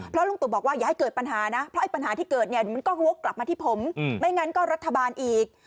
เพราะลุงตู่บอกว่าอย่าให้เกิดปัญหานะเพราะไอ้ปัญหาที่เกิดเนี่ยมันก็วกกลับมาที่ผมไม่งั้นก็รัฐบาลอีก